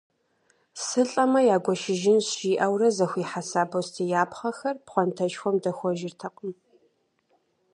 «Сылӏэмэ, ягуэшыжынщ» жиӏэурэ, зэхуихьэса бостеяпхъэхэр пхъуантэшхуэм дэхуэжыртэкъым.